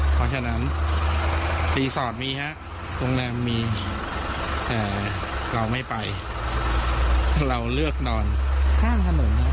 เพราะฉะนั้นมีฮะโรงแรมมีเอ่อเราไม่ไปเราเลือกนอนข้างถนนนะ